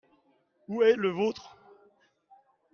Où est le vôtre.